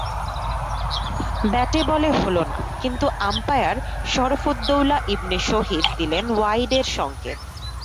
ব্যাটে-বলে হলো না, কিন্তু আম্পায়ার শরফুদ্দৌলা ইবনে শহীদ দিলেন ওয়াইডের সংকেত।